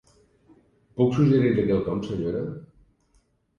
Puc suggerir-li quelcom, senyora?